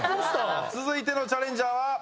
続いてのチャレンジャーは。